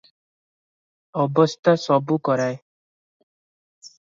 ଅବସ୍ଥା ସବୁ କରାଏ ।